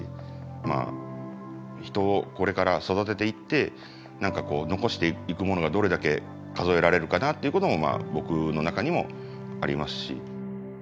まあ人をこれから育てていって何か残していくものがどれだけ数えられるかなっていうことも僕の中にもありますし。